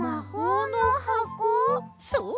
そう！